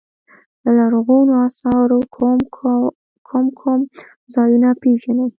د لرغونو اثارو کوم کوم ځایونه پيژنئ.